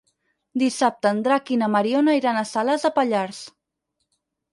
Dissabte en Drac i na Mariona iran a Salàs de Pallars.